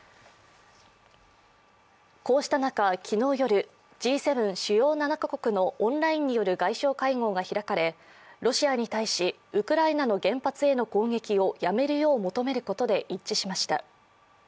こうした中、昨日夜Ｇ７＝主要７か国のオンラインによる外相会合が開かれ、ロシアに対しウクライナの原発への攻撃をやめるよう求めることで一致しました。